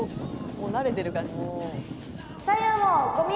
もう慣れてる感じ」